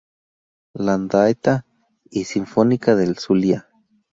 Landaeta y Sinfónica del Zulia.